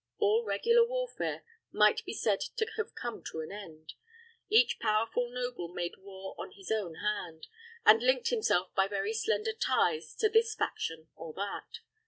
All regular warfare might be said to have come to an end. Each powerful noble made war on his own hand, and linked himself by very slender ties to this faction or that.